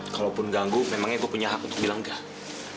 kalaupun ganggu memangnya gue punya hak untuk bilang gah